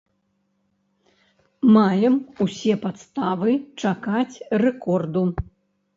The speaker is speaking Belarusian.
Маем усе падставы чакаць рэкорду.